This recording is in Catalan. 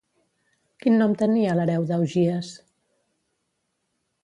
Quin nom tenia l'hereu d'Augies?